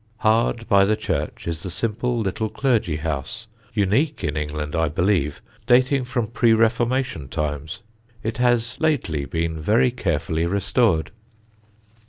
Hard by the church is the simple little clergy house unique in England, I believe dating from pre Reformation times. It has lately been very carefully restored.